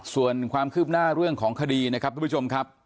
ส่วนความคืบหน้าเรื่องของคดีนะครับทุกผู้ชมครับ